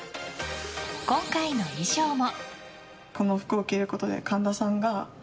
今回の衣装も。